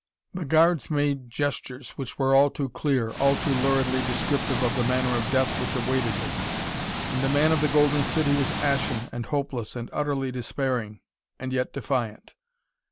The guards made gestures which were all too clear, all too luridly descriptive of the manner of death which awaited him. And the man of the Golden City was ashen and hopeless and utterly despairing and yet defiant.